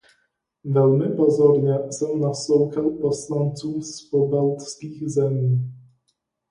Velmi pozorně jsem naslouchal poslancům z pobaltských zemí.